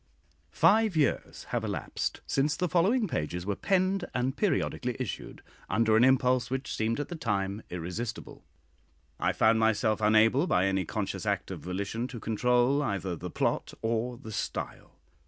Five years have elapsed since the following pages were penned, and periodically issued, under an impulse which seemed at the time irresistible. I found myself unable, by any conscious act of volition, to control either the plot or the style.